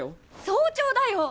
早朝だよ！